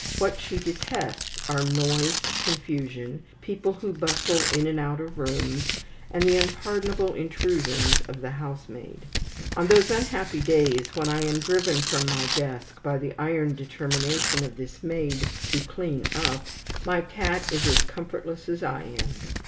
What she detests are noise, confusion, people who bustle in and out of rooms, and the unpardonable intrusions of the housemaid. On those unhappy days when I am driven from my desk by the iron determination of this maid to "clean up," my cat is as comfortless as I am.